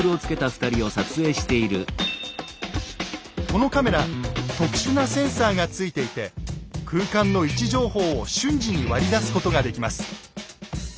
このカメラ特殊なセンサーがついていて空間の位置情報を瞬時に割り出すことができます。